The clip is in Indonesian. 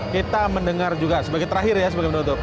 kita mendengar juga sebagai terakhir ya sebagai penutup